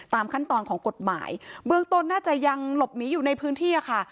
ตามขั้นตอนของกฎหมายเบื้องต้นน่าจะยังหลบหนีอยู่ในพื้นที่ค่ะ